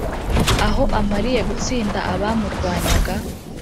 aho amariye gutsinda abamurwanyaga,